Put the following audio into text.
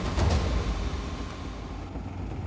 โดนไปเยอะแค่นั้นแหละ